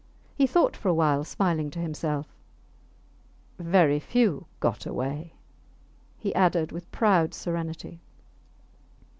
He thought for a while, smiling to himself. Very few got away, he added, with proud serenity.